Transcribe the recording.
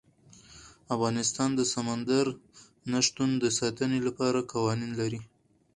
افغانستان د سمندر نه شتون د ساتنې لپاره قوانین لري.